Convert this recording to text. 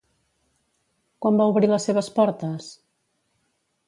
Quan va obrir les seves portes?